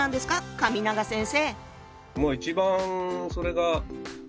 神永先生。